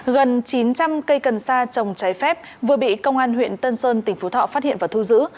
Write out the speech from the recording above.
gần chín trăm linh cây cần sa trồng trái phép vừa bị công an huyện tân sơn tỉnh phú thọ phát hiện và thu giữ